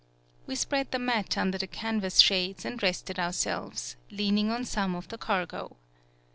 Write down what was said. We spread the mat under the canvas shades and rested ourselves, leaning on some of the cargo.